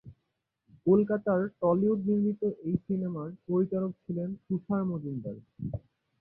কলকাতার টলিউড নির্মিত এই সিনেমার পরিচালক ছিলেন তুষার মজুমদার।